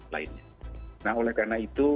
lainnya nah oleh karena itu